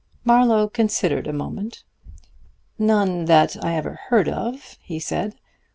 Marlowe considered a moment. "None that I ever heard of," he said.